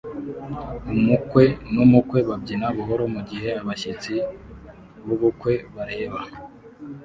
Umukwe n'umukwe babyina buhoro mu gihe abashyitsi b'ubukwe bareba